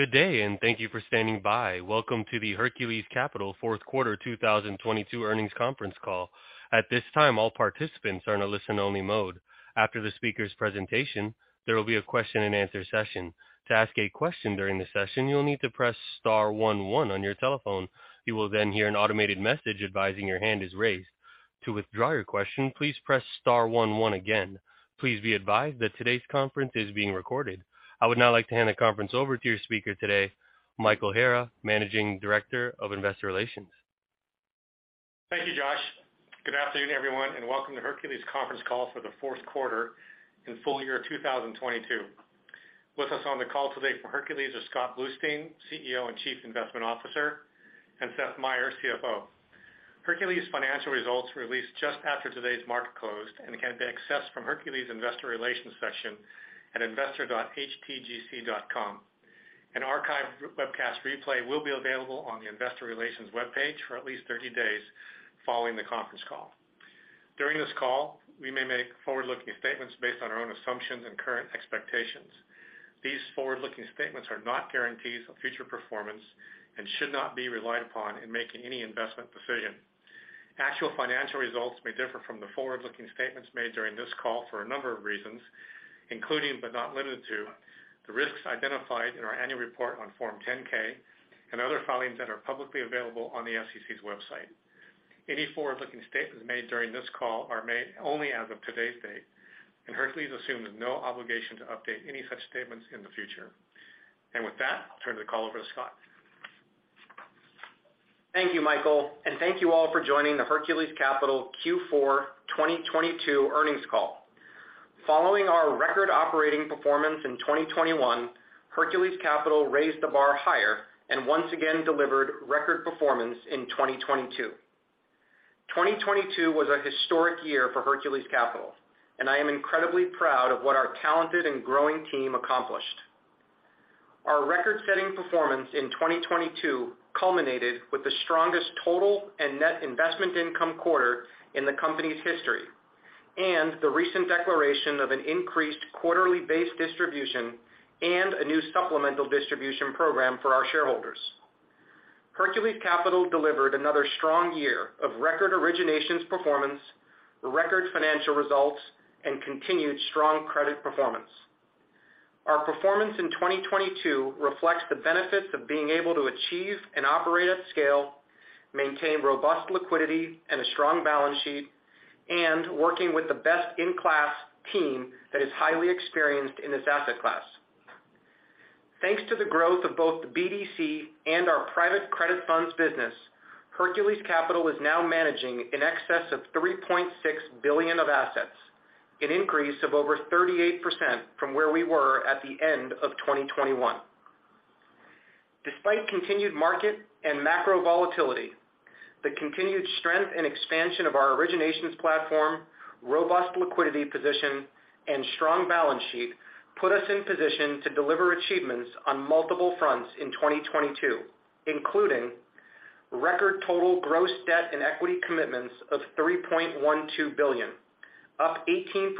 Good day, and thank you for standing by. Welcome to the Hercules Capital Fourth Quarter 2022 earnings conference call. At this time, all participants are in a listen-only mode. After the speaker's presentation, there will be a question-and-answer session. To ask a question during the session, you'll need to press star one one on your telephone. You will then hear an automated message advising your hand is raised. To withdraw your question, please press star one one again. Please be advised that today's conference is being recorded. I would now like to hand the conference over to your speaker today, Michael Hara, Managing Director of Investor Relations. Thank you, Josh. Good afternoon, everyone, and welcome to Hercules conference call for the fourth quarter and full year 2022. With us on the call today for Hercules are Scott Bluestein, CEO and Chief Investment Officer, and Seth Meyer, CFO. Hercules financial results released just after today's market closed and can be accessed from Hercules Investor Relations section at investor.htgc.com. An archive webcast replay will be available on the investor relations webpage for at least 30 days following the conference call. During this call, we may make forward-looking statements based on our own assumptions and current expectations. These forward-looking statements are not guarantees of future performance and should not be relied upon in making any investment decision. Actual financial results may differ from the forward-looking statements made during this call for a number of reasons, including, but not limited to, the risks identified in our annual report on Form 10-K and other filings that are publicly available on the SEC's website. Any forward-looking statements made during this call are made only as of today's date, and Hercules assume no obligation to update any such statements in the future. With that, I'll turn the call over to Scott. Thank you, Michael, and thank you all for joining the Hercules Capital Q4 2022 earnings call. Following our record operating performance in 2021, Hercules Capital raised the bar higher and once again delivered record performance in 2022. 2022 was a historic year for Hercules Capital, and I am incredibly proud of what our talented and growing team accomplished. Our record-setting performance in 2022 culminated with the strongest total and net investment income quarter in the company's history, and the recent declaration of an increased quarterly-based distribution and a new supplemental distribution program for our shareholders. Hercules Capital delivered another strong year of record originations performance, record financial results, and continued strong credit performance. Our performance in 2022 reflects the benefits of being able to achieve and operate at scale, maintain robust liquidity and a strong balance sheet, and working with the best-in-class team that is highly experienced in this asset class. Thanks to the growth of both the BDC and our private credit funds business, Hercules Capital is now managing in excess of $3.6 billion of assets, an increase of over 38% from where we were at the end of 2021. Despite continued market and macro volatility, the continued strength and expansion of our originations platform, robust liquidity position and strong balance sheet put us in position to deliver achievements on multiple fronts in 2022, including record total gross debt and equity commitments of $3.12 billion, up 18%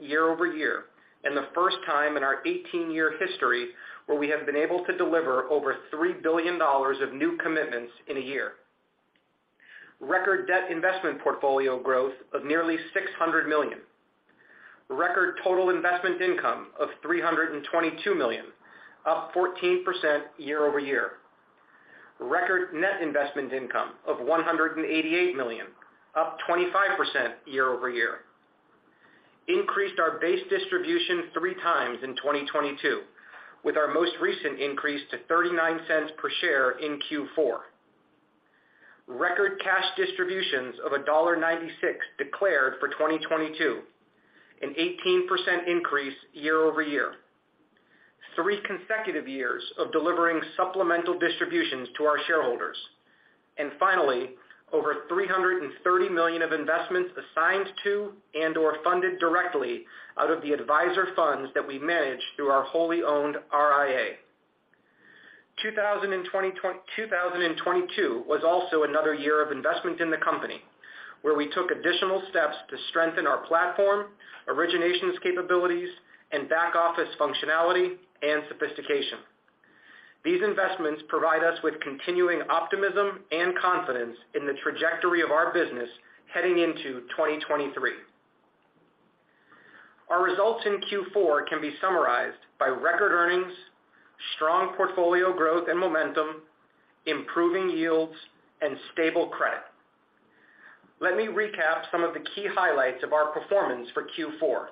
year-over-year and the first time in our 18-year history where we have been able to deliver over $3 billion of new commitments in a year. Record debt investment portfolio growth of nearly $600 million. Record total investment income of $322 million, up 14% year-over-year. Record net investment income of $188 million, up 25% year-over-year. Increased our base distribution three times in 2022, with our most recent increase to $0.39 per share in Q4. Record cash distributions of $1.96 declared for 2022, an 18% increase year-over-year. Three consecutive years of delivering supplemental distributions to our shareholders. Finally, over $330 million of investments assigned to and/or funded directly out of the advisor funds that we manage through our wholly owned RIA. 2022 was also another year of investment in the company, where we took additional steps to strengthen our platform, originations capabilities, and back-office functionality and sophistication. These investments provide us with continuing optimism and confidence in the trajectory of our business heading into 2023. Our results in Q4 can be summarized by record earnings, strong portfolio growth and momentum, improving yields, and stable credit. Let me recap some of the key highlights of our performance for Q4.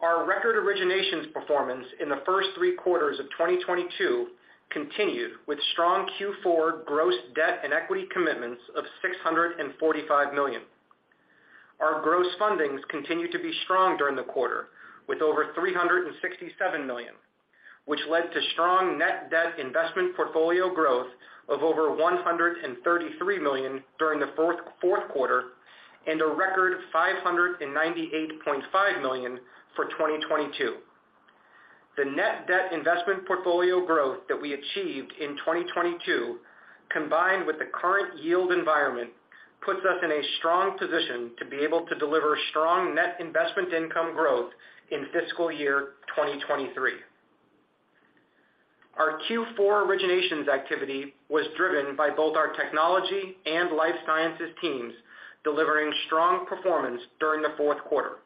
Our record originations performance in the first three quarters of 2022 continued with strong Q4 gross debt and equity commitments of $645 million. Our gross fundings continued to be strong during the quarter with over $367 million, which led to strong net debt investment portfolio growth of over $133 million during the fourth quarter and a record $598.5 million for 2022. The net debt investment portfolio growth that we achieved in 2022 combined with the current yield environment puts us in a strong position to be able to deliver strong net investment income growth in fiscal year 2023. Our Q4 originations activity was driven by both our technology and life sciences teams delivering strong performance during the fourth quarter.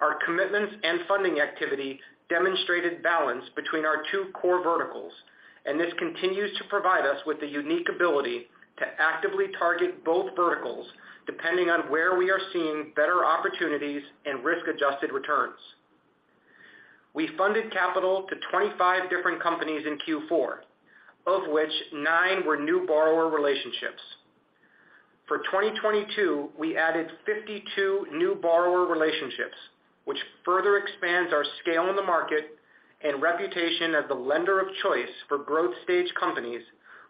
Our commitments and funding activity demonstrated balance between our two core verticals. This continues to provide us with the unique ability to actively target both verticals depending on where we are seeing better opportunities and risk-Adjusted Returns. We funded capital to 25 different companies in Q four, of which nine were new borrower relationships. For 2022, we added 52 new borrower relationships, which further expands our scale in the market and reputation as the lender of choice for growth stage companies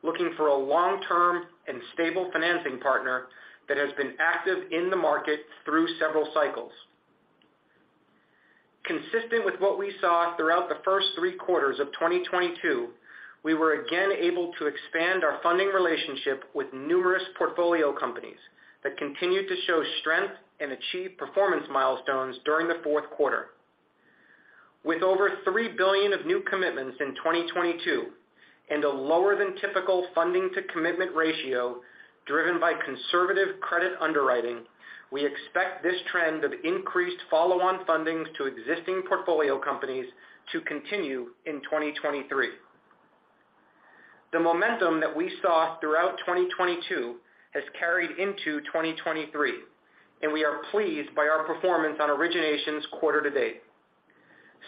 looking for a long-term and stable financing partner that has been active in the market through several cycles. Consistent with what we saw throughout the first three quarters of 2022, we were again able to expand our funding relationship with numerous portfolio companies that continued to show strength and achieve performance milestones during the fourth quarter. With over $3 billion of new commitments in 2022 and a lower than typical funding to commitment ratio driven by conservative credit underwriting, we expect this trend of increased follow-on fundings to existing portfolio companies to continue in 2023. The momentum that we saw throughout 2022 has carried into 2023, and we are pleased by our performance on originations quarter to date.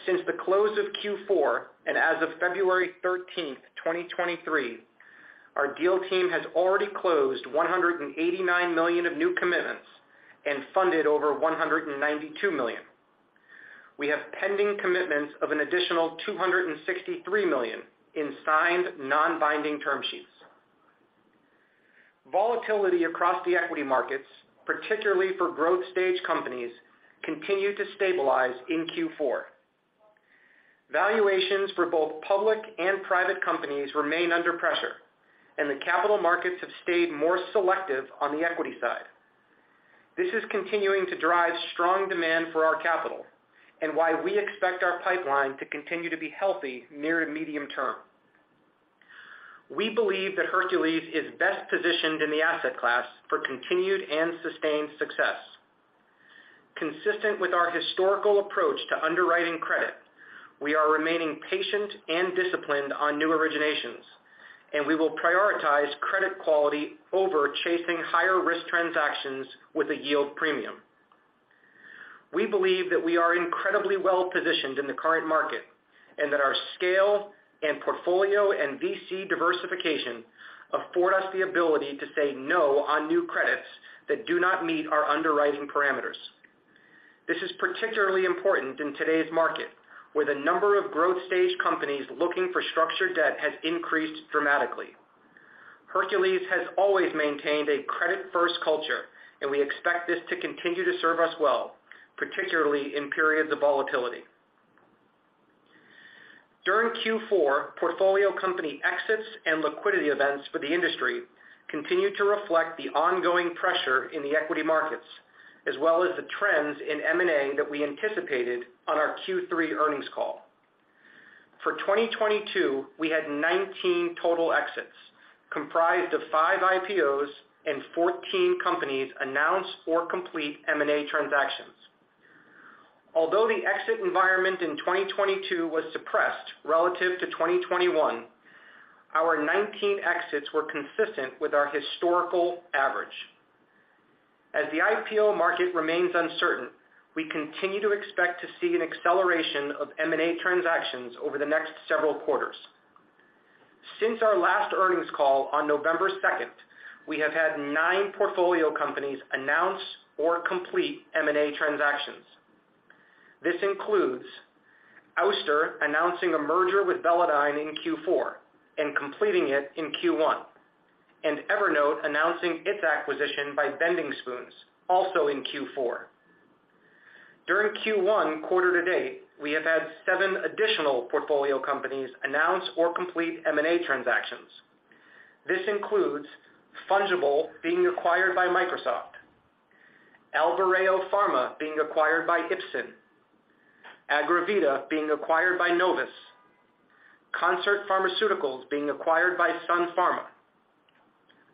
Since the close of Q4 and as of February 13, 2023, our deal team has already closed $189 million of new commitments and funded over $192 million. We have pending commitments of an additional $263 million in signed non-binding term sheets. Volatility across the equity markets, particularly for growth stage companies, continued to stabilize in Q4. Valuations for both public and private companies remain under pressure. The capital markets have stayed more selective on the equity side. This is continuing to drive strong demand for our capital and why we expect our pipeline to continue to be healthy near and medium term. We believe that Hercules is best positioned in the asset class for continued and sustained success. Consistent with our historical approach to underwriting credit, we are remaining patient and disciplined on new originations, and we will prioritize credit quality over chasing higher risk transactions with a yield premium. We believe that we are incredibly well-positioned in the current market and that our scale and portfolio and VC diversification afford us the ability to say no on new credits that do not meet our underwriting parameters. This is particularly important in today's market, where the number of growth stage companies looking for structured debt has increased dramatically. Hercules has always maintained a credit-first culture, we expect this to continue to serve us well, particularly in periods of volatility. During Q4, portfolio company exits and liquidity events for the industry continued to reflect the ongoing pressure in the equity markets, as well as the trends in M&A that we anticipated on our Q3 earnings call. For 2022, we had 19 total exits, comprised of five IPOs and 14 companies announce or complete M&A transactions. Although the exit environment in 2022 was suppressed relative to 2021, our 19 exits were consistent with our historical average. As the IPO market remains uncertain, we continue to expect to see an acceleration of M&A transactions over the next several quarters. Since our last earnings call on November second, we have had nine portfolio companies announce or complete M&A transactions. This includes Ouster announcing a merger with Velodyne in Q4 and completing it in Q1, and Evernote announcing its acquisition by Bending Spoons, also in Q4. During Q1 quarter to date, we have had seven additional portfolio companies announce or complete M&A transactions. This includes Fungible being acquired by Microsoft, Albireo Pharma being acquired by Ipsen, Agrivida being acquired by Novus, Concert Pharmaceuticals being acquired by Sun Pharma,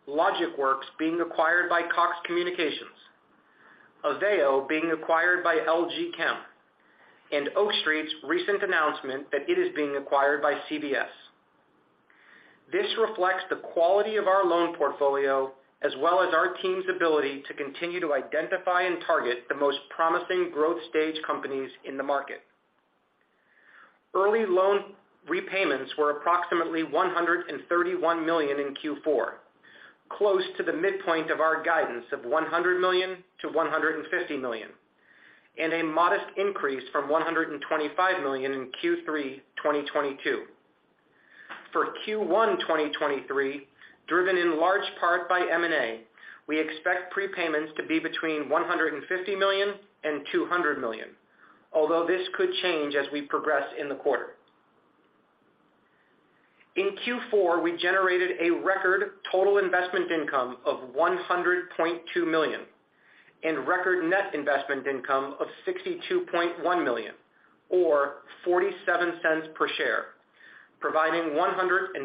Logicworks being acquired by Cox Communications, AVEO being acquired by LG Chem, and Oak Street's recent announcement that it is being acquired by CVS. This reflects the quality of our loan portfolio as well as our team's ability to continue to identify and target the most promising growth stage companies in the market. Early loan repayments were approximately $131 million in Q4, close to the midpoint of our guidance of $100 million-$150 million, and a modest increase from $125 million in Q3 2022. For Q1 2023, driven in large part by M&A, we expect prepayments to be between $150 million and $200 million, although this could change as we progress in the quarter. In Q4, we generated a record total investment income of $100.2 million and record net investment income of $62.1 million or $0.47 per share, providing 121%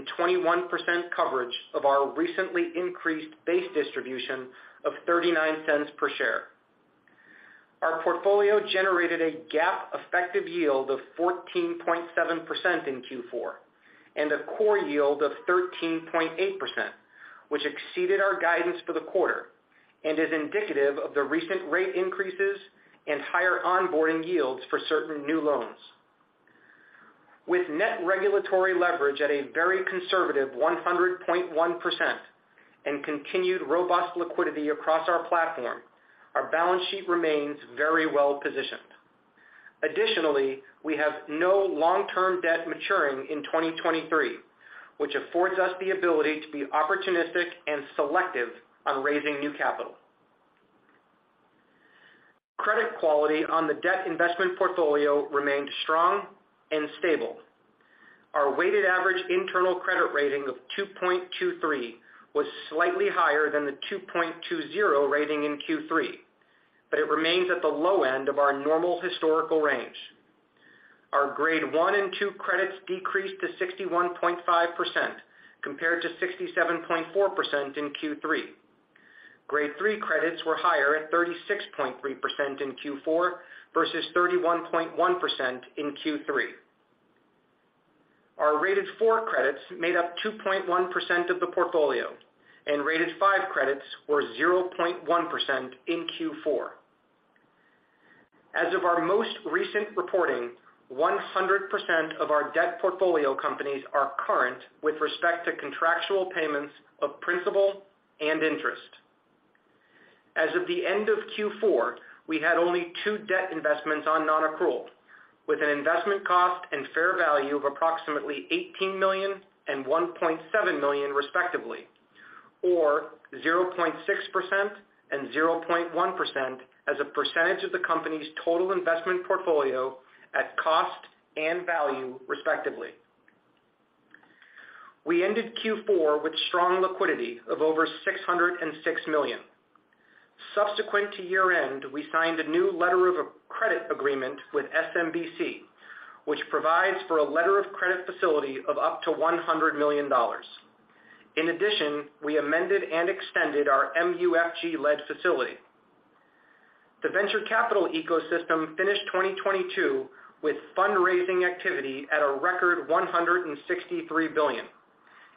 coverage of our recently increased base distribution of $0.39 per share. Our portfolio generated a GAAP effective yield of 14.7% in Q4 and a core yield of 13.8%, which exceeded our guidance for the quarter and is indicative of the recent rate increases and higher onboarding yields for certain new loans. With net regulatory leverage at a very conservative 100.1% and continued robust liquidity across our platform, our balance sheet remains very well-positioned. Additionally, we have no long-term debt maturing in 2023, which affords us the ability to be opportunistic and selective on raising new capital. Credit quality on the debt investment portfolio remained strong and stable. Our weighted average internal credit rating of 2.23 was slightly higher than the 2.20 rating in Q3, but it remains at the low end of our normal historical range. Our grade one and two credits decreased to 61.5% compared to 67.4% in Q3. Grade three credits were higher at 36.3% in Q4 versus 31.1% in Q3. Our rated four credits made up 2.1% of the portfolio, and rated five credits were 0.1% in Q4. As of our most recent reporting, 100% of our debt portfolio companies are current with respect to contractual payments of principal and interest. As of the end of Q4, we had only two debt investments on non-accrual, with an investment cost and fair value of approximately $18 million and $1.7 million respectively, or 0.6% and 0.1% as a percentage of the company's total investment portfolio at cost and value, respectively. We ended Q4 with strong liquidity of over $606 million. Subsequent to year-end, we signed a new letter of credit agreement with SMBC, which provides for a letter of credit facility of up to $100 million. In addition, we amended and extended our MUFG-led facility. The venture capital ecosystem finished 2022 with fundraising activity at a record $163 billion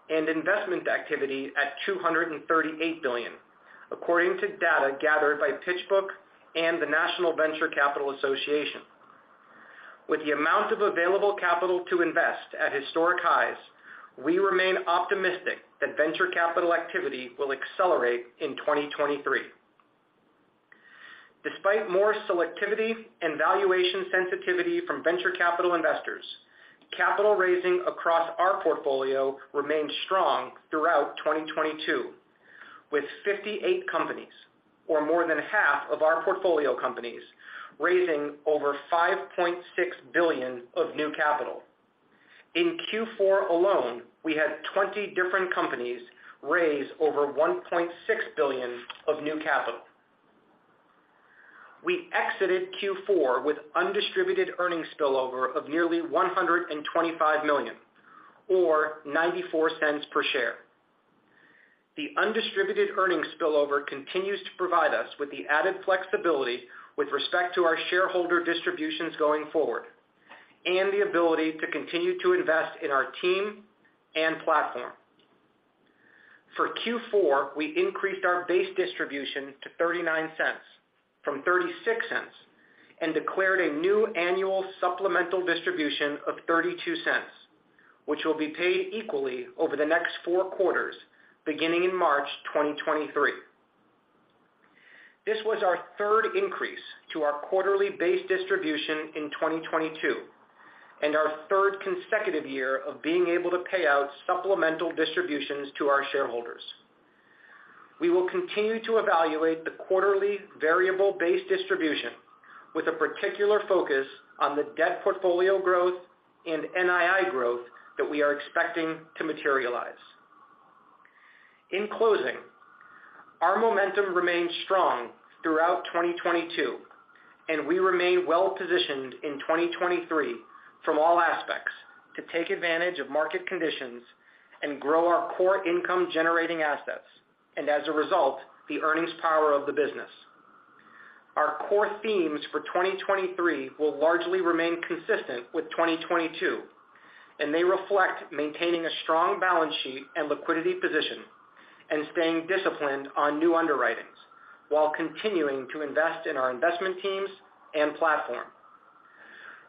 and investment activity at $238 billion, according to data gathered by PitchBook and the National Venture Capital Association. With the amount of available capital to invest at historic highs, we remain optimistic that venture capital activity will accelerate in 2023. Despite more selectivity and valuation sensitivity from venture capital investors, capital raising across our portfolio remained strong throughout 2022, with 58 companies or more than half of our portfolio companies raising over $5.6 billion of new capital. In Q4 alone, we had 20 different companies raise over $1.6 billion of new capital. We exited Q4 with undistributed earnings spillover of nearly $125 million or $0.94 per share. The undistributed earnings spillover continues to provide us with the added flexibility with respect to our shareholder distributions going forward and the ability to continue to invest in our team and platform. For Q4, we increased our base distribution to $0.39 from $0.36 and declared a new annual supplemental distribution of $0.32, which will be paid equally over the next four quarters, beginning in March 2023. This was our third increase to our quarterly base distribution in 2022 and our third consecutive year of being able to pay out supplemental distributions to our shareholders. We will continue to evaluate the quarterly variable base distribution with a particular focus on the debt portfolio growth and NII growth that we are expecting to materialize. In closing, our momentum remained strong throughout 2022. We remain well positioned in 2023 from all aspects to take advantage of market conditions and grow our core income-generating assets and as a result, the earnings power of the business. Our core themes for 2023 will largely remain consistent with 2022. They reflect maintaining a strong balance sheet and liquidity position and staying disciplined on new underwritings while continuing to invest in our investment teams and platform.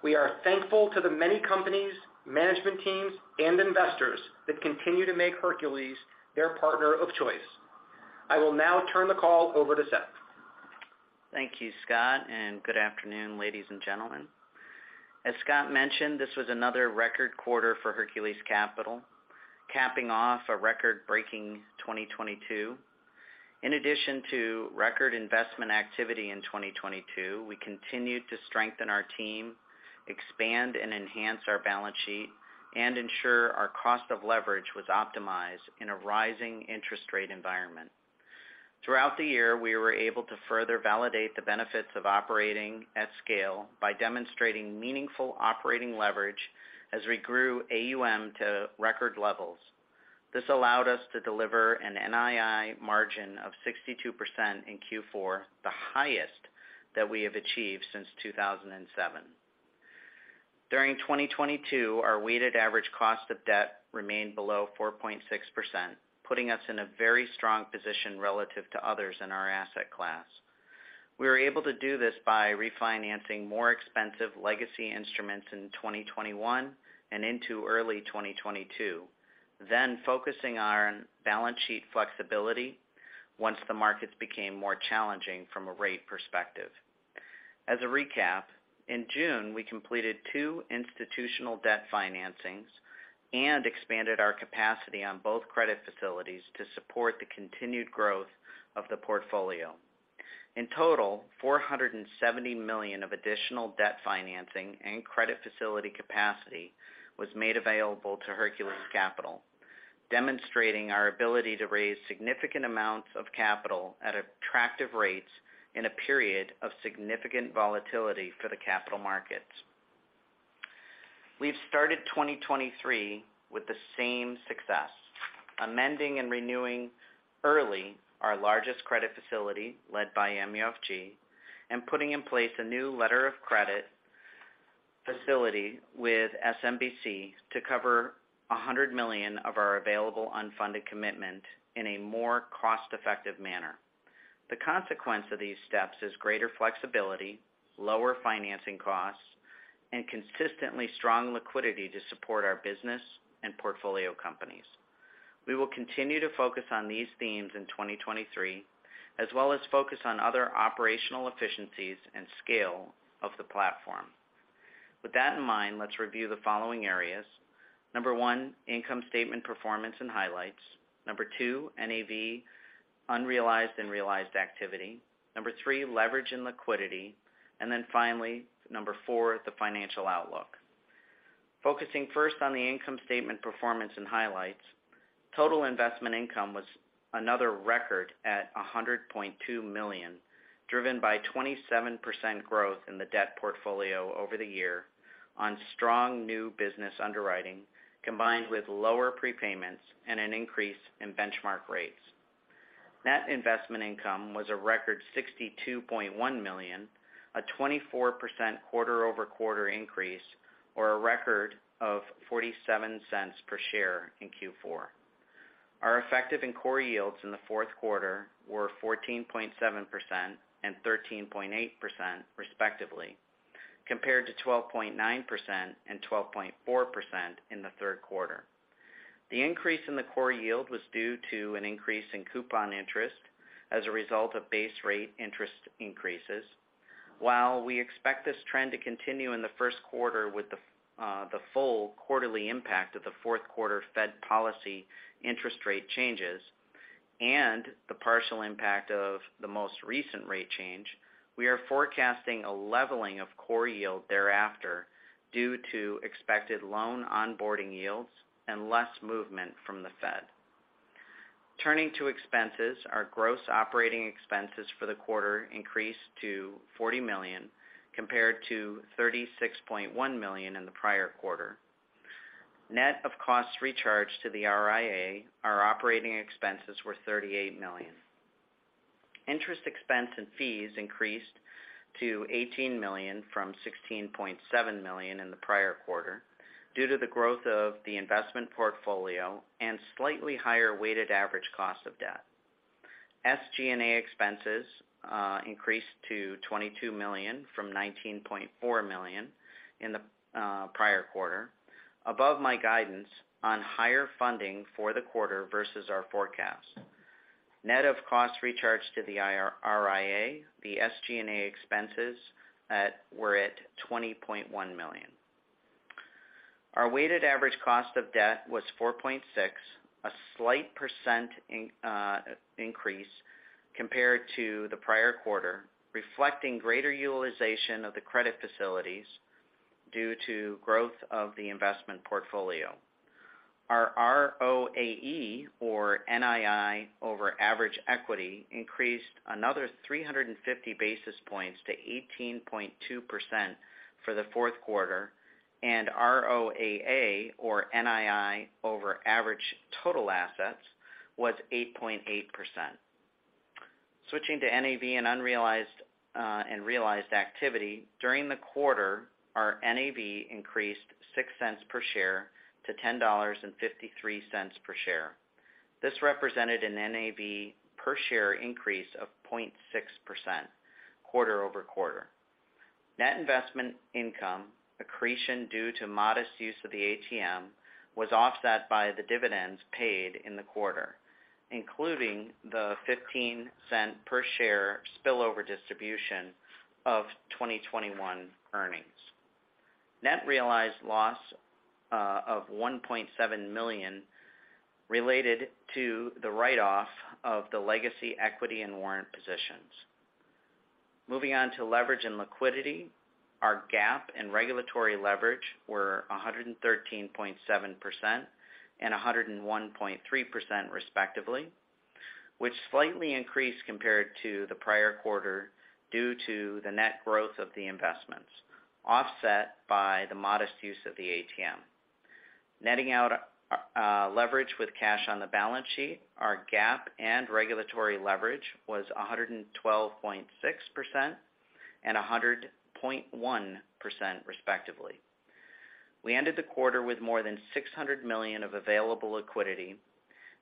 We are thankful to the many companies, management teams, and investors that continue to make Hercules their partner of choice. I will now turn the call over to Seth. Thank you, Scott, and good afternoon, ladies and gentlemen. As Scott mentioned, this was another record quarter for Hercules Capital, capping off a record-breaking 2022. In addition to record investment activity in 2022, we continued to strengthen our team, expand and enhance our balance sheet, and ensure our cost of leverage was optimized in a rising interest rate environment. Throughout the year, we were able to further validate the benefits of operating at scale by demonstrating meaningful operating leverage as we grew AUM to record levels. This allowed us to deliver an NII margin of 62% in Q4, the highest that we have achieved since 2007. During 2022, our weighted average cost of debt remained below 4.6%, putting us in a very strong position relative to others in our asset class. We were able to do this by refinancing more expensive legacy instruments in 2021 and into early 2022, then focusing on balance sheet flexibility once the markets became more challenging from a rate perspective. As a recap, in June, we completed two institutional debt financings and expanded our capacity on both credit facilities to support the continued growth of the portfolio. In total, $470 million of additional debt financing and credit facility capacity was made available to Hercules Capital, demonstrating our ability to raise significant amounts of capital at attractive rates in a period of significant volatility for the capital markets. We've started 2023 with the same success, amending and renewing early our largest credit facility led by MUFG and putting in place a new letter of credit facility with SMBC to cover $100 million of our available unfunded commitment in a more cost-effective manner. The consequence of these steps is greater flexibility, lower financing costs, and consistently strong liquidity to support our business and portfolio companies. We will continue to focus on these themes in 2023, as well as focus on other operational efficiencies and scale of the platform. With that in mind, let's review the following areas. One, income statement performance and highlights. Two, NAV unrealized and realized activity. Three, leverage and liquidity. Finally, four. the financial outlook. Focusing first on the income statement performance and highlights. Total investment income was another record at $100.2 million, driven by 27% growth in the debt portfolio over the year on strong new business underwriting, combined with lower prepayments and an increase in benchmark rates. Net investment income was a record $62.1 million, a 24% quarter-over-quarter increase or a record of $0.47 per share in Q4. Our effective and core yields in the fourth quarter were 14.7% and 13.8% respectively, compared to 12.9% and 12.4% in the third quarter. The increase in the core yield was due to an increase in coupon interest as a result of base rate interest increases. While we expect this trend to continue in the first quarter with the full quarterly impact of the fourth quarter Fed policy interest rate changes and the partial impact of the most recent rate change, we are forecasting a leveling of core yield thereafter due to expected loan onboarding yields and less movement from the Fed. Turning to expenses, our gross operating expenses for the quarter increased to $40 million compared to $36.1 million in the prior quarter. Net of costs recharged to the RIA, our operating expenses were $38 million. Interest expense and fees increased to $18 million from $16.7 million in the prior quarter due to the growth of the investment portfolio and slightly higher weighted average cost of debt. SG&A expenses increased to $22 million from $19.4 million in the prior quarter above my guidance on higher funding for the quarter versus our forecast. Net of cost recharge to the RIA, the SG&A expenses were at $20.1 million. Our weighted average cost of debt was 4.6%, a slight increase compared to the prior quarter, reflecting greater utilization of the credit facilities due to growth of the investment portfolio. Our ROAE, or NII, over average equity increased another 350 basis points to 18.2% for the fourth quarter. ROAA, or NII, over average total assets was 8.8%. Switching to NAV and unrealized and realized activity. During the quarter, our NAV increased $0.06 per share to $10.53 per share. This represented an NAV per share increase of 0.6% quarter-over-quarter. Net investment income accretion due to modest use of the ATM was offset by the dividends paid in the quarter, including the $0.15 per share spillover distribution of 2021 earnings. Net realized loss of $1.7 million related to the write-off of the legacy equity and warrant positions. Moving on to leverage and liquidity. Our GAAP and regulatory leverage were 113.7% and 101.3% respectively, which slightly increased compared to the prior quarter due to the net growth of the investments, offset by the modest use of the ATM. Netting out leverage with cash on the balance sheet, our GAAP and regulatory leverage was 112.6% and 100.1% respectively. We ended the quarter with more than $600 million of available liquidity.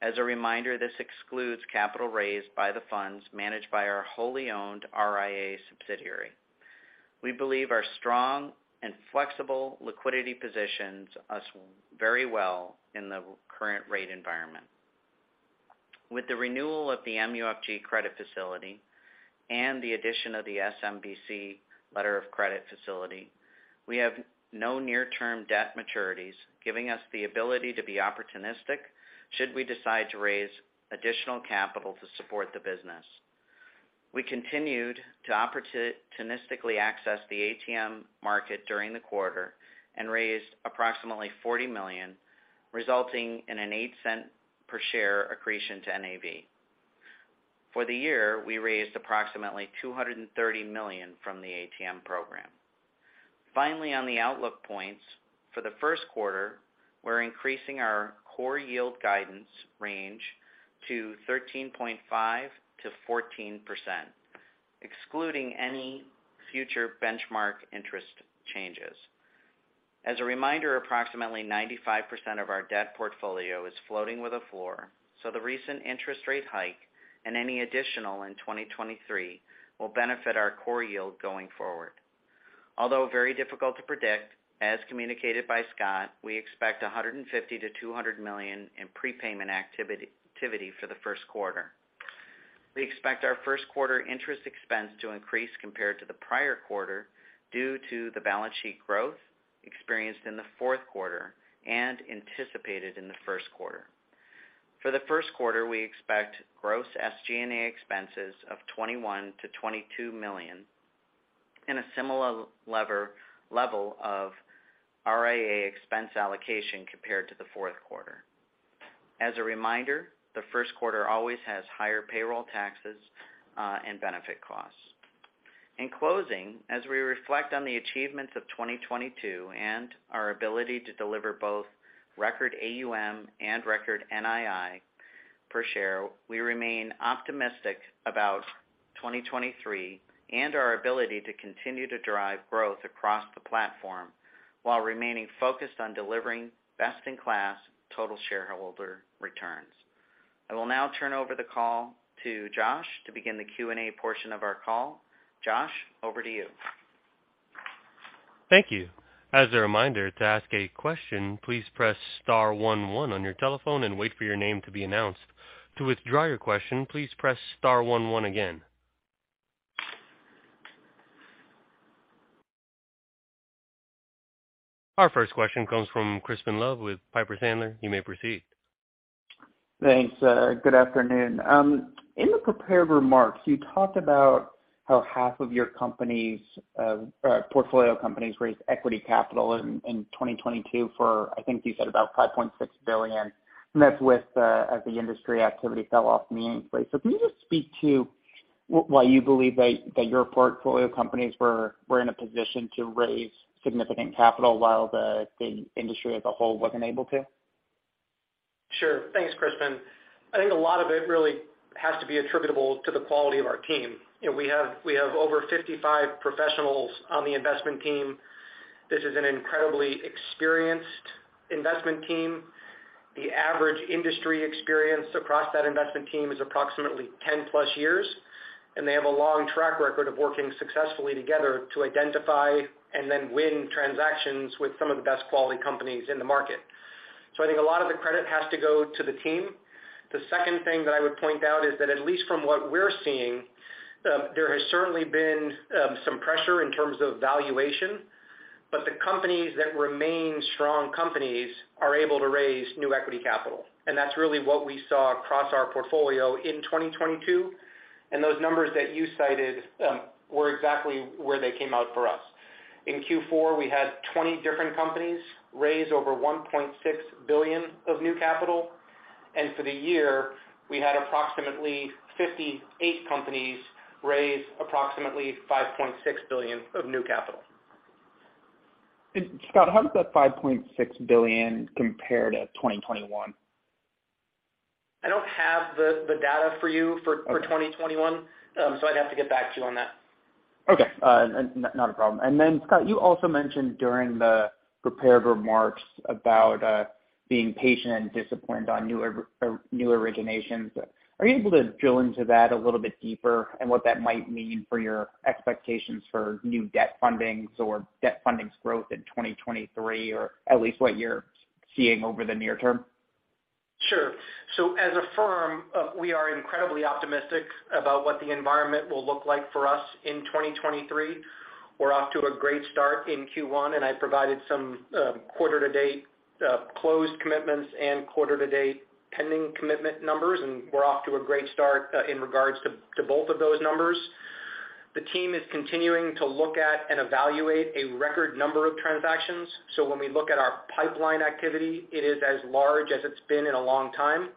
As a reminder, this excludes capital raised by the funds managed by our wholly owned RIA subsidiary. We believe our strong and flexible liquidity positions us very well in the current rate environment. With the renewal of the MUFG credit facility and the addition of the SMBC letter of credit facility, we have no near term debt maturities, giving us the ability to be opportunistic should we decide to raise additional capital to support the business. We continued to opportunistically access the ATM market during the quarter and raised approximately $40 million, resulting in an $0.08 per share accretion to NAV. For the year, we raised approximately $230 million from the ATM program. On the outlook points. For the first quarter, we're increasing our core yield guidance range to 13.5%-14%, excluding any future benchmark interest changes. As a reminder, approximately 95% of our debt portfolio is floating with a floor, the recent interest rate hike and any additional in 2023 will benefit our core yield going forward. Although very difficult to predict, as communicated by Scott, we expect $150 million-$200 million in prepayment activity for the first quarter. We expect our first quarter interest expense to increase compared to the prior quarter due to the balance sheet growth experienced in the fourth quarter and anticipated in the first quarter. For the first quarter, we expect gross SG&A expenses of $21 million-$22 million and a similar level of RIA expense allocation compared to the fourth quarter. As a reminder, the first quarter always has higher payroll taxes and benefit costs. In closing, as we reflect on the achievements of 2022 and our ability to deliver both record AUM and record NII per share, we remain optimistic about 2023 and our ability to continue to drive growth across the platform while remaining focused on delivering best-in-class total shareholder returns. I will now turn over the call to Josh to begin the Q&A portion of our call. Josh, over to you. Thank you. As a reminder to ask a question, please press star one one on your telephone and wait for your name to be announced. To withdraw your question, please press star one one again. Our first question comes from Crispin Love with Piper Sandler. You may proceed. Thanks. Good afternoon. In the prepared remarks, you talked about how half of your company's portfolio companies raised equity capital in 2022 for, I think you said about $5.6 billion. That's with as the industry activity fell off meaningfully. Can you just speak to why you believe your portfolio companies were in a position to raise significant capital while the industry as a whole wasn't able to? Sure. Thanks, Crispin. I think a lot of it really has to be attributable to the quality of our team. You know, we have over 55 professionals on the investment team. This is an incredibly experienced investment team. The average industry experience across that investment team is approximately 10+ years, and they have a long track record of working successfully together to identify and then win transactions with some of the best quality companies in the market. I think a lot of the credit has to go to the team. The second thing that I would point out is that at least from what we're seeing, there has certainly been some pressure in terms of valuation. The companies that remain strong companies are able to raise new equity capital, and that's really what we saw across our portfolio in 2022. Those numbers that you cited, were exactly where they came out for us. In Q4, we had 20 different companies raise over $1.6 billion of new capital. For the year, we had approximately 58 companies raise approximately $5.6 billion of new capital. Scott, how does that $5.6 billion compare to 2021? I don't have the data for you for 2021. I'd have to get back to you on that. Okay. not a problem. Scott, you also mentioned during the prepared remarks about, being patient and disciplined on or new originations. Are you able to drill into that a little bit deeper and what that might mean for your expectations for new debt fundings or debt fundings growth in 2023, or at least what you're seeing over the near term? As a firm, we are incredibly optimistic about what the environment will look like for us in 2023. We're off to a great start in Q1, and I provided some, quarter to date, closed commitments and quarter to date pending commitment numbers, and we're off to a great start, in regards to both of those numbers. The team is continuing to look at and evaluate a record number of transactions. When we look at our pipeline activity, it is as large as it's been in a long time.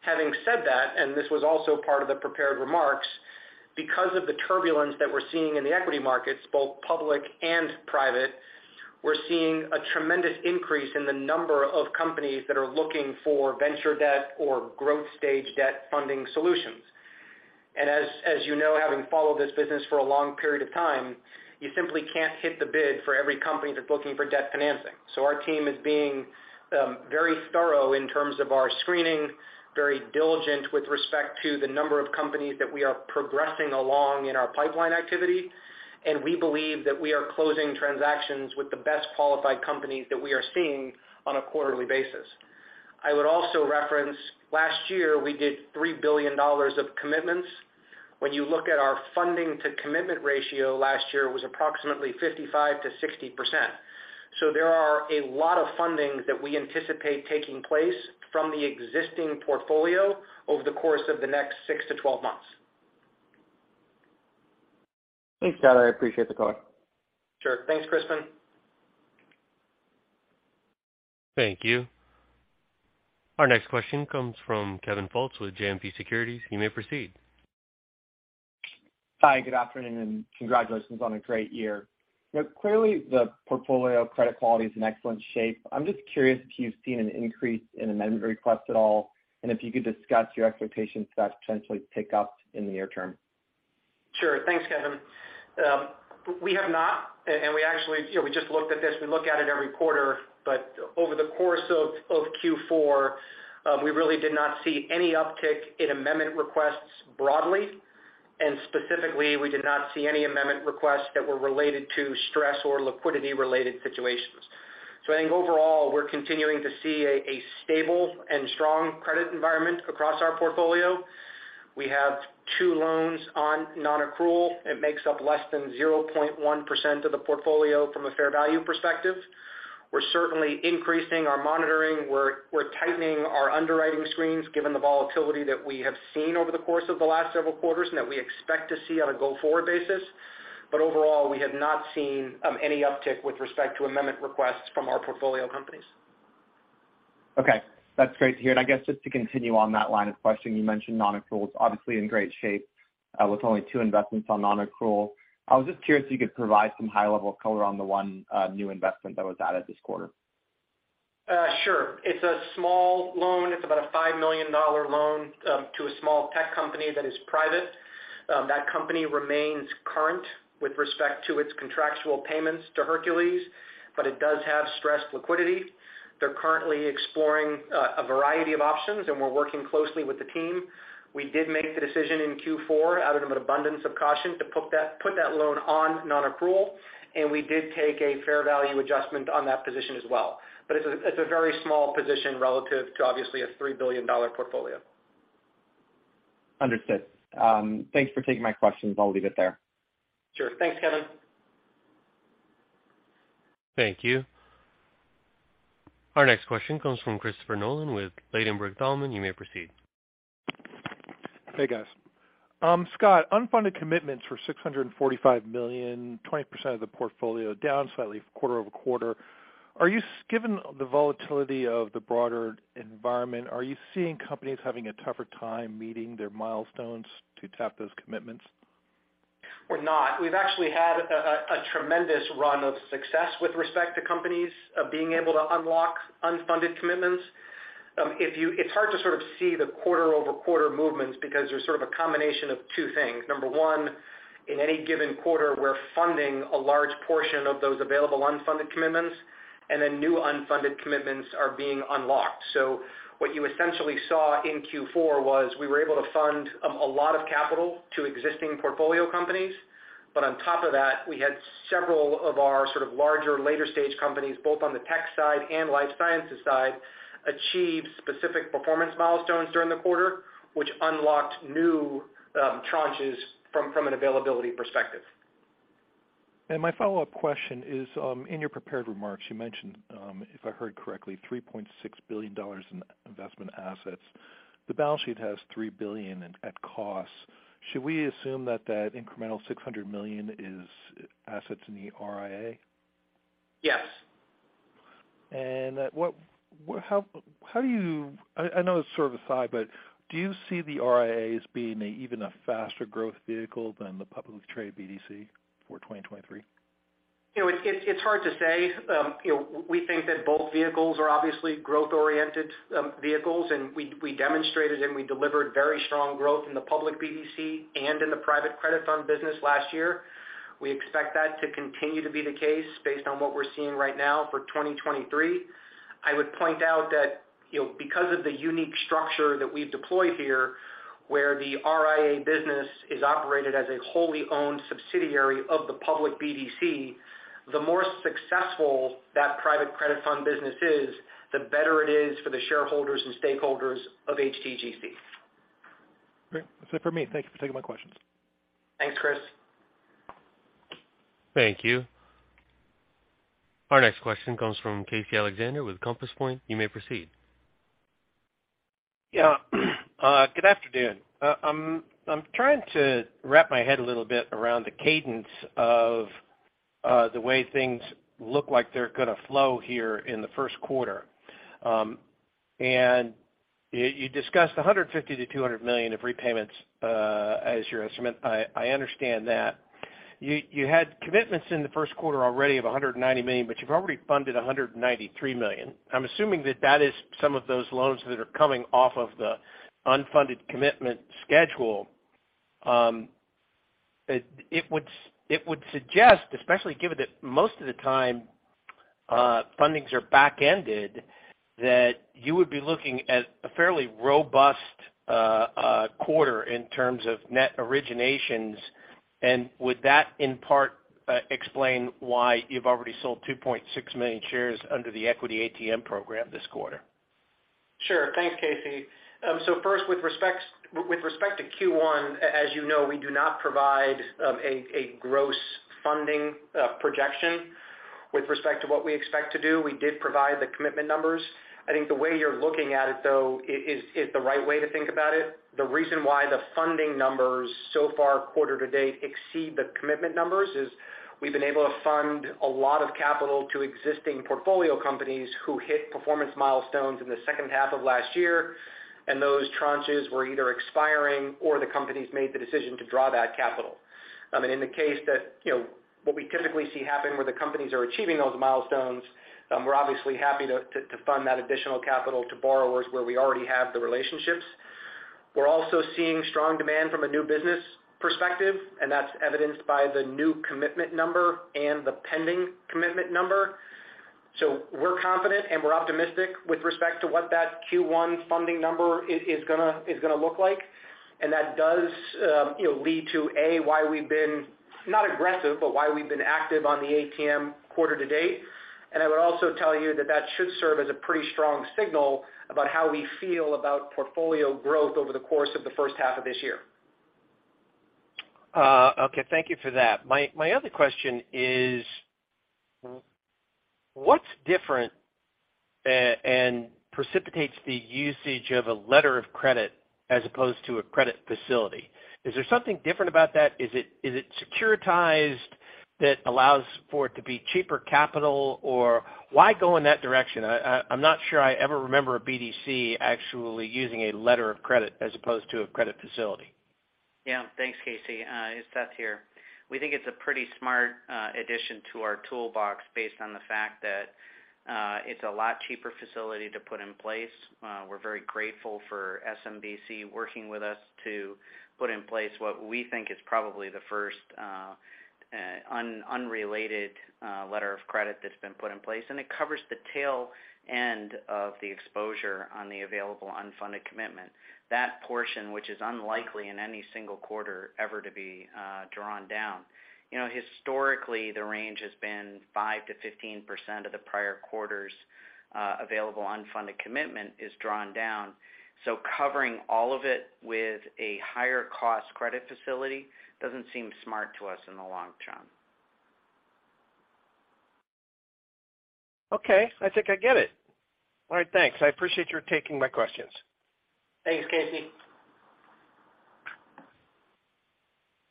Having said that, and this was also part of the prepared remarks, because of the turbulence that we're seeing in the equity markets, both public and private, we're seeing a tremendous increase in the number of companies that are looking for venture debt or growth stage debt funding solutions. As you know, having followed this business for a long period of time, you simply can't hit the bid for every company that's looking for debt financing. Our team is being very thorough in terms of our screening, very diligent with respect to the number of companies that we are progressing along in our pipeline activity. We believe that we are closing transactions with the best qualified companies that we are seeing on a quarterly basis. I would also reference, last year, we did $3 billion of commitments. When you look at our funding to commitment ratio last year, it was approximately 55%-60%. There are a lot of funding that we anticipate taking place from the existing portfolio over the course of the next 6-12 months. Thanks, Scott. I appreciate the color. Sure. Thanks, Crispin. Thank you. Our next question comes from Kevin Fultz with JMP Securities. You may proceed. Hi, good afternoon, and congratulations on a great year. Clearly, the portfolio credit quality is in excellent shape. I'm just curious if you've seen an increase in amendment requests at all, and if you could discuss your expectations for that to potentially pick up in the near term. Sure. Thanks, Kevin. We have not. And we actually, you know, we just looked at this, we look at it every quarter, but over the course of Q4, we really did not see any uptick in amendment requests broadly. Specifically, we did not see any amendment requests that were related to stress or liquidity-related situations. I think overall, we're continuing to see a stable and strong credit environment across our portfolio. We have two loans on nonaccrual. It makes up less than 0.1% of the portfolio from a fair value perspective. We're certainly increasing our monitoring. We're tightening our underwriting screens given the volatility that we have seen over the course of the last several quarters, and that we expect to see on a go-forward basis. Overall, we have not seen any uptick with respect to amendment requests from our portfolio companies. Okay. That's great to hear. I guess just to continue on that line of questioning, you mentioned nonaccrual is obviously in great shape, with only two investments on nonaccrual. I was just curious if you could provide some high-level color on the one new investment that was added this quarter. Sure. It's a small loan. It's about a $5 million loan to a small tech company that is private. That company remains current with respect to its contractual payments to Hercules, but it does have stressed liquidity. They're currently exploring a variety of options, and we're working closely with the team. We did make the decision in Q4 out of an abundance of caution to put that loan on nonaccrual, and we did take a fair value adjustment on that position as well. It's a very small position relative to obviously a $3 billion portfolio. Understood. Thanks for taking my questions. I'll leave it there. Sure. Thanks, Kevin. Thank you. Our next question comes from Christopher Nolan with Ladenburg Thalmann. You may proceed. Hey, guys. Scott, unfunded commitments for $645 million, 20% of the portfolio down slightly quarter-over-quarter. Given the volatility of the broader environment, are you seeing companies having a tougher time meeting their milestones to tap those commitments? We're not. We've actually had a tremendous run of success with respect to companies being able to unlock unfunded commitments. It's hard to sort of see the quarter-over-quarter movements because there's sort of a combination of two things. Number one, in any given quarter, we're funding a large portion of those available unfunded commitments, new unfunded commitments are being unlocked. What you essentially saw in Q4 was we were able to fund a lot of capital to existing portfolio companies. On top of that, we had several of our sort of larger, later stage companies, both on the tech side and life sciences side, achieve specific performance milestones during the quarter, which unlocked new tranches from an availability perspective. My follow-up question is, in your prepared remarks, you mentioned, if I heard correctly, $3.6 billion in investment assets. The balance sheet has $3 billion at cost. Should we assume that that incremental $600 million is assets in the RIA? Yes. I know it's sort of aside, but do you see the RIA as being even a faster growth vehicle than the publicly traded BDC for 2023? You know, it's hard to say. You know, we think that both vehicles are obviously growth-oriented vehicles, and we demonstrated and we delivered very strong growth in the public BDC and in the private credit fund business last year. We expect that to continue to be the case based on what we're seeing right now for 2023. I would point out that, you know, because of the unique structure that we've deployed here. Where the RIA business is operated as a wholly owned subsidiary of the public BDC. The more successful that private credit fund business is, the better it is for the shareholders and stakeholders of HTGC. Great. That's it for me. Thank you for taking my questions. Thanks, Chris. Thank you. Our next question comes from Casey Alexander with Compass Point. You may proceed. Good afternoon. I'm trying to wrap my head a little bit around the cadence of the way things look like they're gonna flow here in the first quarter. You discussed $150 million-$200 million of repayments as your estimate. I understand that. You had commitments in the first quarter already of $190 million, but you've already funded $193 million. I'm assuming that that is some of those loans that are coming off of the unfunded commitment schedule. It would suggest, especially given that most of the time, fundings are back-ended, that you would be looking at a fairly robust quarter in terms of net originations. Would that in part explain why you've already sold 2.6 million shares under the equity ATM program this quarter? Sure. Thanks, Casey. First with respect to Q1, as you know, we do not provide a gross funding projection with respect to what we expect to do. We did provide the commitment numbers. I think the way you're looking at it though, is the right way to think about it. The reason why the funding numbers so far quarter to date exceed the commitment numbers is we've been able to fund a lot of capital to existing portfolio companies who hit performance milestones in the second half of last year, and those tranches were either expiring or the companies made the decision to draw that capital. I mean, in the case that, you know, what we typically see happen, where the companies are achieving those milestones, we're obviously happy to fund that additional capital to borrowers where we already have the relationships. We're also seeing strong demand from a new business perspective, and that's evidenced by the new commitment number and the pending commitment number. We're confident and we're optimistic with respect to what that Q1 funding number is gonna look like. That does, you know, lead to, A, why we've been, not aggressive, but why we've been active on the ATM quarter to date. I would also tell you that that should serve as a pretty strong signal about how we feel about portfolio growth over the course of the first half of this year. Okay. Thank you for that. My other question is, what's different and precipitates the usage of a letter of credit as opposed to a credit facility? Is there something different about that? Is it securitized that allows for it to be cheaper capital, or why go in that direction? I'm not sure I ever remember a BDC actually using a letter of credit as opposed to a credit facility. Thanks, Casey. It's Seth here. We think it's a pretty smart addition to our toolbox based on the fact that it's a lot cheaper facility to put in place. We're very grateful for SMBC working with us to put in place what we think is probably the first unrelated letter of credit that's been put in place. It covers the tail end of the exposure on the available unfunded commitment. That portion, which is unlikely in any single quarter ever to be drawn down. You know, historically, the range has been 5%-15% of the prior quarter's available unfunded commitment is drawn down. Covering all of it with a higher cost credit facility doesn't seem smart to us in the long term. Okay. I think I get it. All right, thanks. I appreciate your taking my questions. Thanks, Casey.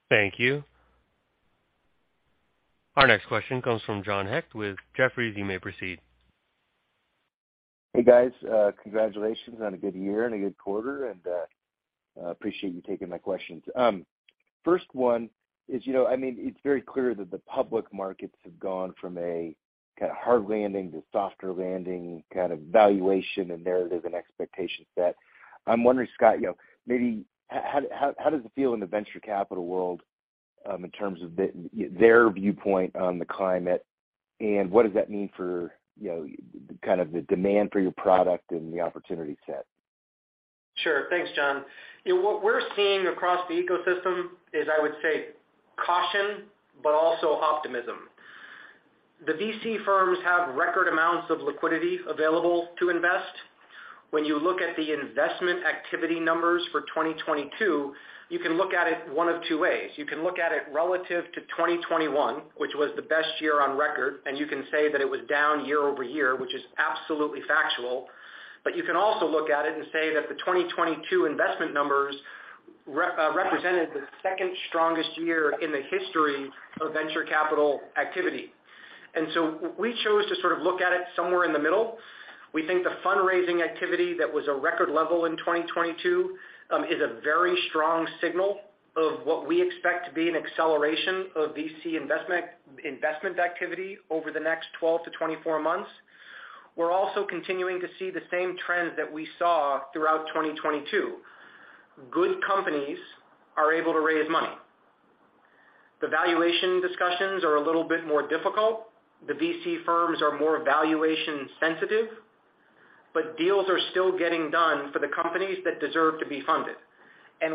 Thank you. Our next question comes from John Hecht with Jefferies. You may proceed. Hey, guys. Congratulations on a good year and a good quarter. Appreciate you taking my questions. First one is, you know, I mean, it's very clear that the public markets have gone from a kind of hard landing to softer landing kind of valuation and narrative and expectation set. I'm wondering, Scott, you know, maybe how does it feel in the venture capital world in terms of their viewpoint on the climate, and what does that mean for, you know, kind of the demand for your product and the opportunity set? Sure. Thanks, John. You know what we're seeing across the ecosystem is, I would say, caution but also optimism. The VC firms have record amounts of liquidity available to invest. When you look at the investment activity numbers for 2022, you can look at it one of two ways. You can look at it relative to 2021, which was the best year on record, and you can say that it was down year-over-year, which is absolutely factual, but you can also look at it and say that the 2022 investment numbers represented the second strongest year in the history of venture capital activity. We chose to sort of look at it somewhere in the middle. We think the fundraising activity that was a record level in 2022, is a very strong signal of what we expect to be an acceleration of VC investment activity over the next 12-24 months. We're also continuing to see the same trends that we saw throughout 2022. Good companies are able to raise money. The valuation discussions are a little bit more difficult. The VC firms are more valuation sensitive, but deals are still getting done for the companies that deserve to be funded.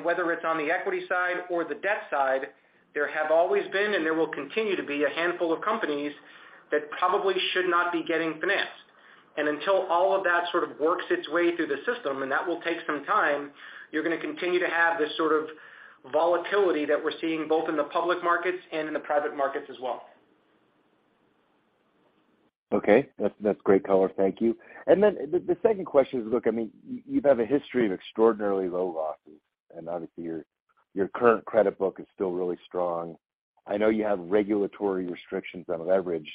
Whether it's on the equity side or the debt side, there have always been, and there will continue to be a handful of companies that probably should not be getting financed. Until all of that sort of works its way through the system, and that will take some time, you're gonna continue to have this sort of volatility that we're seeing both in the public markets and in the private markets as well. Okay. That's great color. Thank you. Then the second question is, look, I mean, you have a history of extraordinarily low losses, and obviously your current credit book is still really strong. I know you have regulatory restrictions on leverage.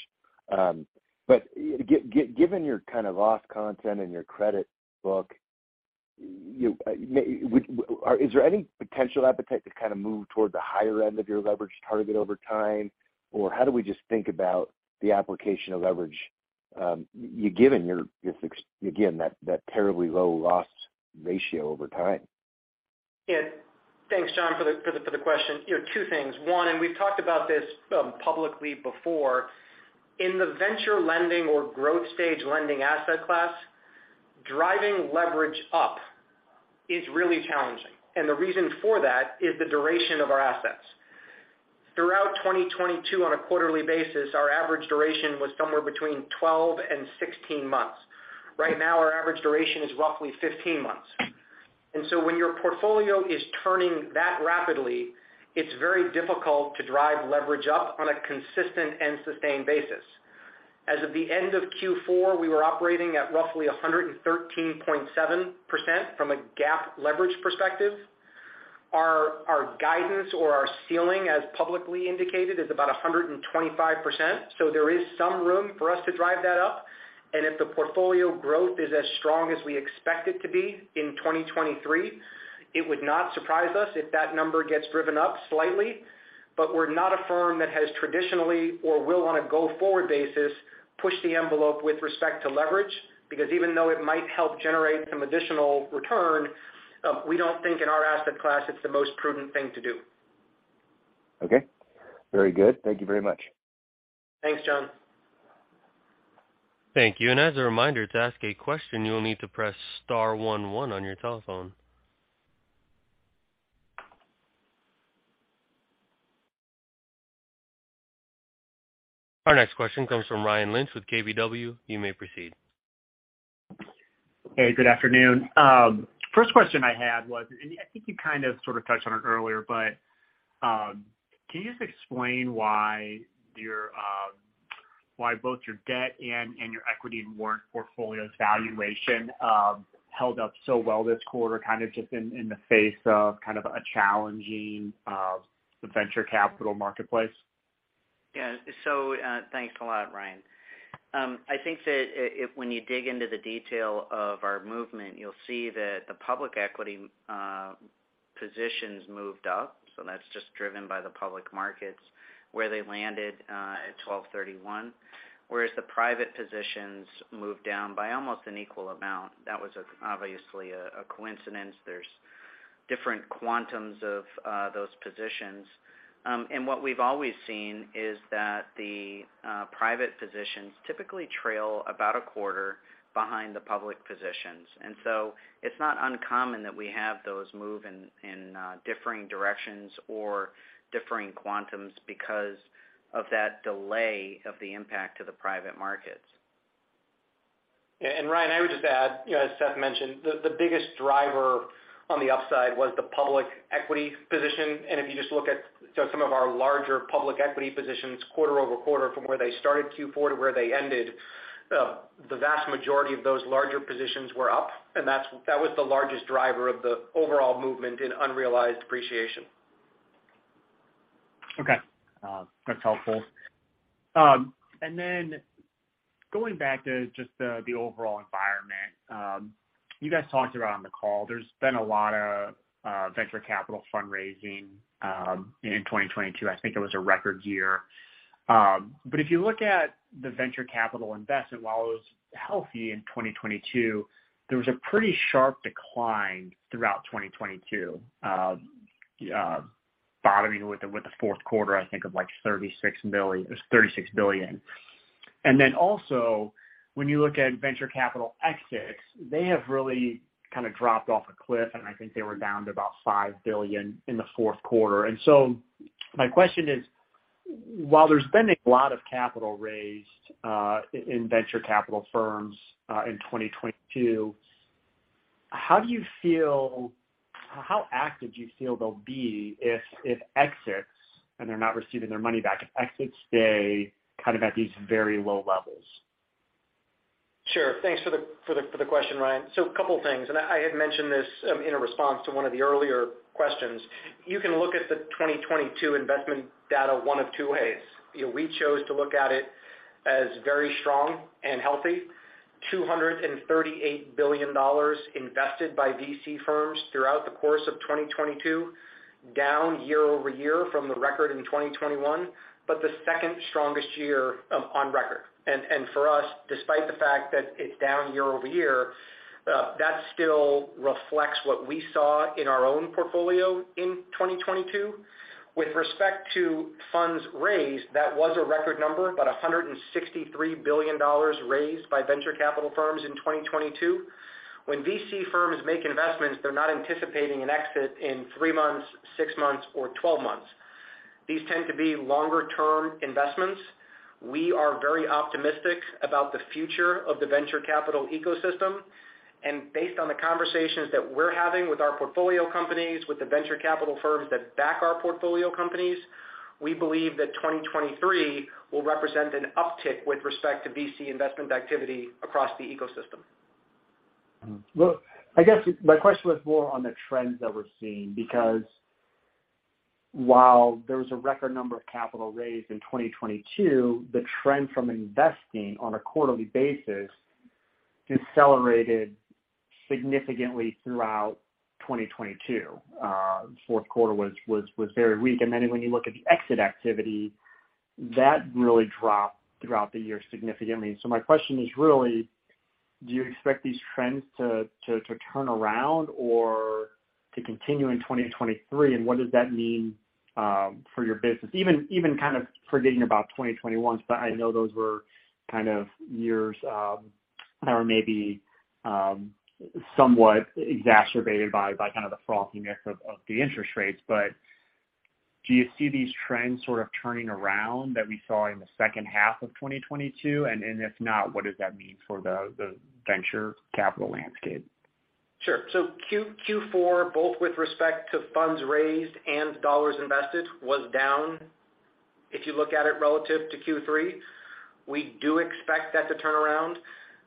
Given your kind of loss content and your credit book, is there any potential appetite to kind of move toward the higher end of your leverage target over time? How do we just think about the application of leverage, you given your again, that terribly low loss ratio over time? Yeah. Thanks, John, for the question. You know, two things. One, we've talked about this publicly before. In the venture lending or growth stage lending asset class, driving leverage up is really challenging, and the reason for that is the duration of our assets. Throughout 2022 on a quarterly basis, our average duration was somewhere between 12 and 16 months. Right now, our average duration is roughly 15 months. When your portfolio is turning that rapidly, it's very difficult to drive leverage up on a consistent and sustained basis. As of the end of Q4, we were operating at roughly 113.7% from a GAAP leverage perspective. Our guidance or our ceiling, as publicly indicated, is about 125%. There is some room for us to drive that up. If the portfolio growth is as strong as we expect it to be in 2023, it would not surprise us if that number gets driven up slightly. We're not a firm that has traditionally or will on a go-forward basis, push the envelope with respect to leverage, because even though it might help generate some additional return, we don't think in our asset class it's the most prudent thing to do. Okay. Very good. Thank you very much. Thanks, John. Thank you. As a reminder, to ask a question, you will need to press star one one on your telephone. Our next question comes from Ryan Lynch with KBW. You may proceed. Hey, good afternoon. First question I had was, and I think you kind of sort of touched on it earlier, but can you just explain why both your debt and your equity warrant portfolio's valuation held up so well this quarter, kind of just in the face of kind of a challenging, the venture capital marketplace? Yeah. Thanks a lot, Ryan. I think that when you dig into the detail of our movement, you'll see that the public equity positions moved up. That's just driven by the public markets where they landed at 12/31, whereas the private positions moved down by almost an equal amount. That was obviously a coincidence. There's different quantums of those positions. What we've always seen is that the private positions typically trail about a quarter behind the public positions. It's not uncommon that we have those move in differing directions or differing quantums because of that delay of the impact to the private markets. Yeah. Ryan, I would just add, you know, as Seth mentioned, the biggest driver on the upside was the public equity position. If you just look at, you know, some of our larger public equity positions quarter-over-quarter from where they started Q4 to where they ended, the vast majority of those larger positions were up. That was the largest driver of the overall movement in unrealized appreciation. Okay. That's helpful. Going back to just the overall environment, you guys talked about on the call, there's been a lot of venture capital fundraising in 2022. I think it was a record year. If you look at the venture capital investment, while it was healthy in 2022, there was a pretty sharp decline throughout 2022, bottoming with the fourth quarter, I think of like $36 billion. It was $36 billion. Also when you look at venture capital exits, they have really kind of dropped off a cliff, and I think they were down to about $5 billion in the fourth quarter. My question is, while there's been a lot of capital raised in venture capital firms in 2022, how do you feel... How active do you feel they'll be if exits and they're not receiving their money back, if exits stay kind of at these very low levels? Sure. Thanks for the question, Ryan. A couple things, I had mentioned this in a response to one of the earlier questions. You can look at the 2022 investment data one of two ways. You know, we chose to look at it as very strong and healthy. $238 billion invested by VC firms throughout the course of 2022, down year-over-year from the record in 2021, but the second strongest year on record. For us, despite the fact that it's down year-over-year, that still reflects what we saw in our own portfolio in 2022. With respect to funds raised, that was a record number, about $163 billion raised by venture capital firms in 2022. When VC firms make investments, they're not anticipating an exit in three months, six months, or 12 months. These tend to be longer-term investments. We are very optimistic about the future of the venture capital ecosystem. Based on the conversations that we're having with our portfolio companies, with the venture capital firms that back our portfolio companies, we believe that 2023 will represent an uptick with respect to VC investment activity across the ecosystem. I guess my question was more on the trends that we're seeing, because while there was a record number of capital raised in 2022, the trend from investing on a quarterly basis decelerated significantly throughout 2022. Fourth quarter was very weak. When you look at the exit activity, that really dropped throughout the year significantly. My question is really, do you expect these trends to turn around or to continue in 2023? What does that mean for your business? Even kind of forgetting about 2021, I know those were kind of years, or maybe somewhat exacerbated by kind of the frothiness of the interest rates. Do you see these trends sort of turning around that we saw in the second half of 2022? If not, what does that mean for the venture capital landscape? Sure. Q, Q4, both with respect to funds raised and dollars invested, was down if you look at it relative to Q3. We do expect that to turn around.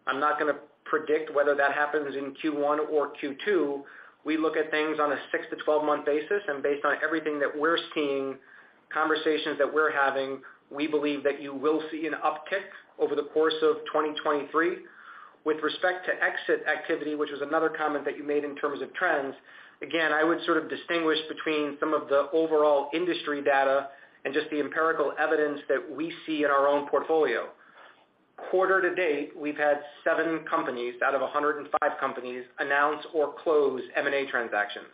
I'm not gonna predict whether that happens in Q1 or Q2. We look at things on a 6-12 month basis. Based on everything that we're seeing, conversations that we're having, we believe that you will see an uptick over the course of 2023. With respect to exit activity, which was another comment that you made in terms of trends. I would sort of distinguish between some of the overall industry data and just the empirical evidence that we see in our own portfolio. Quarter to date, we've had seven companies out of 105 companies announce or close M&A transactions.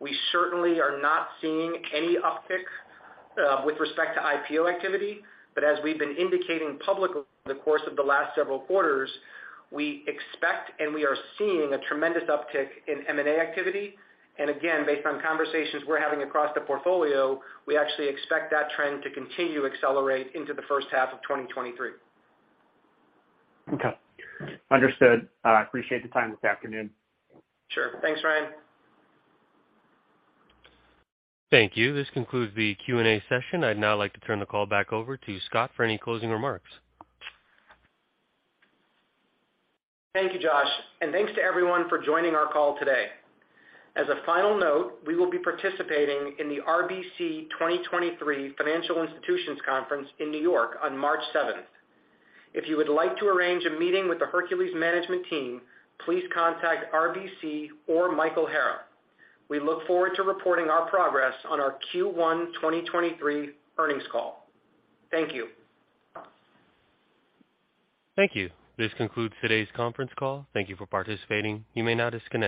We certainly are not seeing any uptick with respect to IPO activity, but as we've been indicating publicly over the course of the last several quarters, we expect and we are seeing a tremendous uptick in M&A activity. Again, based on conversations we're having across the portfolio, we actually expect that trend to continue to accelerate into the first half of 2023. Okay. Understood. I appreciate the time this afternoon. Sure. Thanks, Ryan. Thank you. This concludes the Q&A session. I'd now like to turn the call back over to Scott for any closing remarks. Thank you, Josh, and thanks to everyone for joining our call today. As a final note, we will be participating in the RBC 2023 Financial Institutions Conference in New York on March 7th. If you would like to arrange a meeting with the Hercules management team, please contact RBC or Michael Hara. We look forward to reporting our progress on our Q1 2023 earnings call. Thank you. Thank you. This concludes today's conference call. Thank you for participating. You may now disconnect.